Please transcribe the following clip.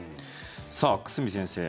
さあ、久住先生